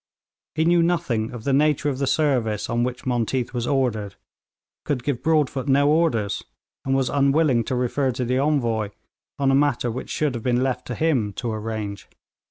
He knew nothing of the nature of the service on which Monteath was ordered, could give Broadfoot no orders, and was unwilling to refer to the Envoy on a matter which should have been left to him to arrange.